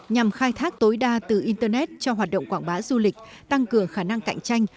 nhằm khai thác tối đa từ internet cho hoạt động quảng bá du lịch tăng cường khả năng cạnh tranh